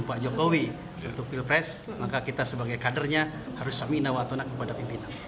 pak jokowi untuk pilpres maka kita sebagai kadernya harus samina watona kepada pimpinan